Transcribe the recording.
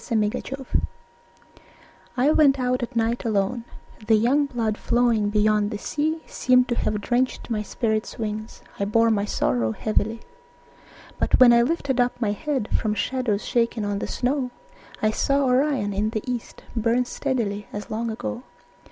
Winter Stars I went out at night alone; The young blood flowing beyond the sea Seemed to have drenched my spirit's wings I bore my sorrow heavily. But when I lifted up my head From shadows shaken on the snow, I saw Orion in the east Burn steadily as long ago.